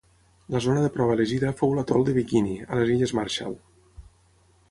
La zona de prova elegida fou l'atol de Bikini, a les Illes Marshall.